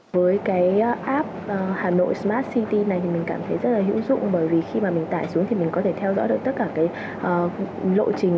với cái app hà nội smart city này thì mình cảm thấy rất là hữu dụng bởi vì khi mà mình tải xuống thì mình có thể theo dõi được tất cả cái lộ trình